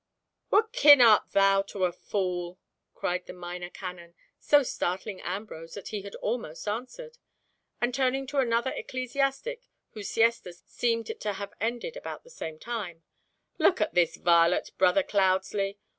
"What kin art thou to a fool?" cried the minor canon, so startling Ambrose that he had almost answered, and turning to another ecclesiastic whose siesta seemed to have ended about the same time, "Look at this varlet, Brother Cloudesley!